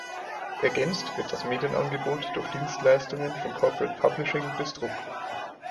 Ergänzt wird das Medienangebot durch Dienstleistungen von Corporate Publishing bis Druck.